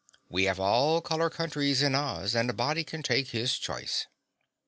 We have all color countries in Oz and a body can take his choice."